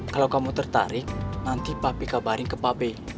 kalau kamu tertarik nanti pak be kabarin ke pak be